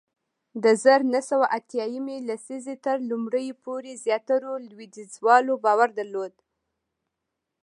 د زر نه سوه اتیا یمې لسیزې تر لومړیو پورې زیاترو لوېدیځوالو باور درلود